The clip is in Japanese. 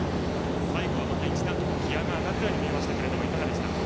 最後はまた一段とギヤが上がったように見えましたがいかがでしたか？